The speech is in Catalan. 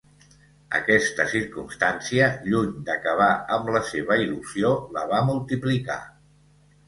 Aquesta circumstància, lluny d'acabar amb la seva il·lusió, la va multiplicar.